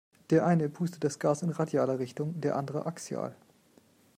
Der eine pustet das Gas in radialer Richtung, der andere axial.